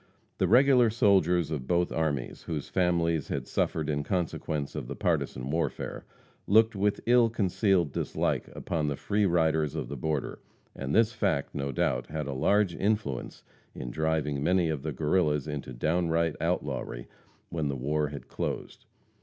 The regular soldiers of both armies, whose families had suffered in consequence of the partisan warfare, looked with ill concealed dislike upon the free riders of the border, and this fact, no doubt, had a large influence in driving many of the Guerrillas into downright outlawry when the war had closed.